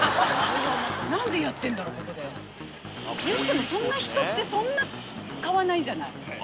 いってもそんな人ってそんな買わないじゃない。